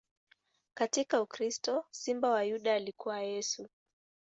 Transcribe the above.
Katika ukristo, Simba wa Yuda alikuwa Yesu.